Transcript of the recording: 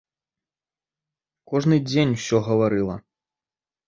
Кожны дзень усё гаварыла.